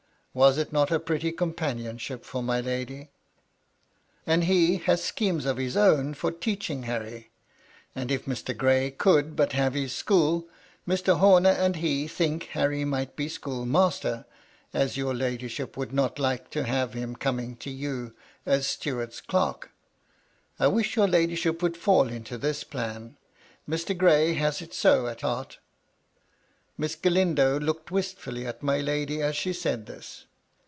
Was it not a pretty companionship for my MY LADY LUDLOW. 257 lady ?" And he has schemes of his own for teaching Harry ; and if Mr. Gray could but have his school, Mr. Homer and he think Harry might be school master, as your ladyship would not like to have him coming to you as steward's clerk. I wish your lady ship would fall into this plan ; Mr. Gray has it so at heart" Miss Galindo looked wistfully at my lady, as she said this.